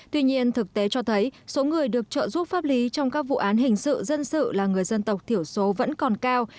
tuy nhiên thực tế cho thấy số người được trợ giúp pháp lý trong các vụ án hình sự dân sự là người dân tộc thiểu số vẫn còn cao